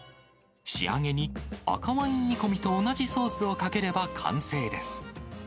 仕上げに赤ワイン煮込みと同じソースをかければ完成です。